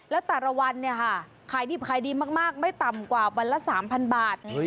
แล้วแต่ละวันเนี่ยค่ะขายดิบขายดีมากไม่ต่ำกว่าวันละ๓๐๐บาท